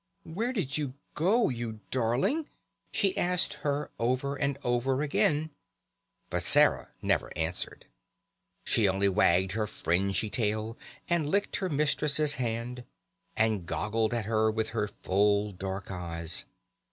"Where did you go, you darling?" she asked her over and over again, but Sarah never answered. She only wagged her fringy tail, and licked her mistress's hand, and goggled at her with her full dark eyes.